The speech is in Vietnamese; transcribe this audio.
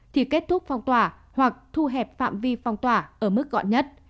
thì kết thúc phong tỏa hoặc thu hẹp phạm vi phong tỏa ở mức gọn nhất